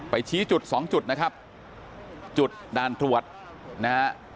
ชี้จุดสองจุดนะครับจุดด่านตรวจนะฮะ